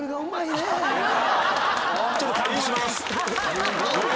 ちょっと換気します。